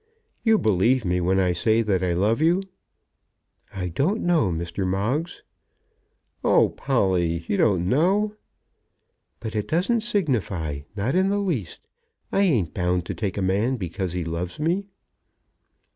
"You believe me, when I say that I love you?" "I don't know, Mr. Moggs." "Oh, Polly, you don't know!" "But it doesn't signify, not the least. I ain't bound to take a man because he loves me."